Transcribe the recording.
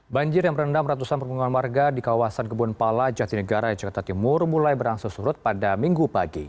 banjir yang merendam ratusan permukaan warga di kawasan kebun pala jatinegara jakarta timur mulai berangsur surut pada minggu pagi